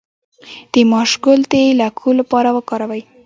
د ماش ګل د لکو لپاره وکاروئ